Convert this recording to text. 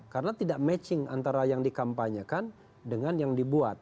karena tidak matching antara yang dikampanyekan dengan yang dibuat